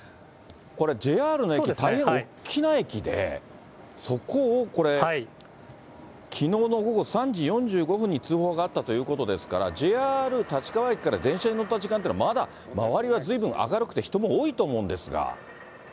ＪＲの駅、大変大きな駅で、そこを、きのうの午後３時４５分に通報があったということですから、ＪＲ立川駅から電車に乗った時間というのは、まだ周りはずいぶん明るくて、人も多いと思うんですが。